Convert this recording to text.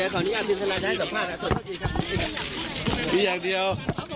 สั้นประโยคเดียว